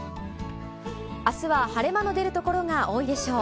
明日は晴れ間の出るところが多いでしょう。